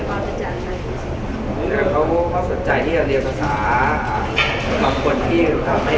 เพราะฉะนั้นเขาบอกว่าจะได้ส่งสัญญาณอื่นกันให้กับคน